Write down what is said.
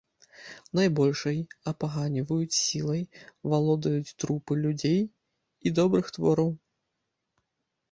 Найбольшай апаганьваюць сілай валодаюць трупы людзей і добрых твораў.